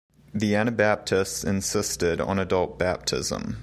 The Anabaptists insisted on adult baptism.